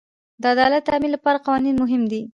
د عدالت د تامین لپاره قوانین مهم دي.